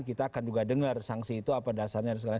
kita akan juga dengar sanksi itu apa dasarnya